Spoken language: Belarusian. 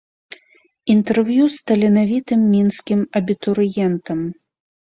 Інтэрв'ю з таленавітым мінскім абітурыентам.